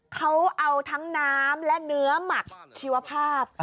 เขาเอาทั้งน้ำและเนื้อหมักชีวภาพ